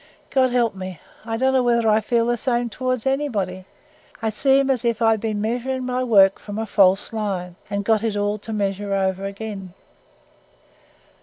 God help me! I don't know whether I feel the same towards anybody: I seem as if I'd been measuring my work from a false line, and had got it all to measure over again."